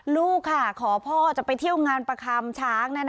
ลูกขอวางพ่อไปเที่ยวงานประคัมช้าง